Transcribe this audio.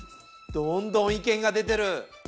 どんどん意見が出てる！